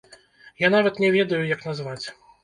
Я нават не ведаю, як назваць.